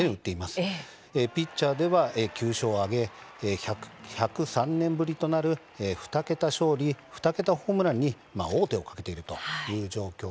ピッチャーでは９勝を挙げ１０３年ぶりとなる２桁勝利２桁ホームランに王手をかけています。